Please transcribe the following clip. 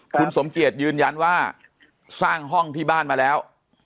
คุณสมเกียจยืนยันว่าสร้างห้องที่บ้านมาแล้ว